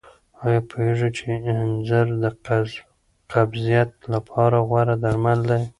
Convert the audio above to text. آیا پوهېږئ چې انځر د قبضیت لپاره غوره درمل دي؟